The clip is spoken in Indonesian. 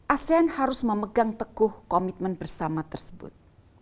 asean harus memegang teguh komitmen bersama tersebut